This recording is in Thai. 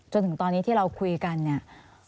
จนถึงตอนนี้ที่เราคุยกันเนี่ย